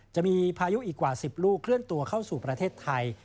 จะมีพายุอีกกว่า๑๐ลูกเคลื่อนตัวเข้าสู่ประเทศไทย